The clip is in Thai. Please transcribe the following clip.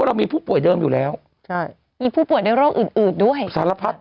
ว่ามีผู้ป่วยเดิมอยู่แล้วมีผู้ป่วยได้โรคอื่นด้วยสารพัด